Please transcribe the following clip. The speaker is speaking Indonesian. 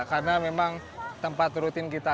karena memang tempat rutin kita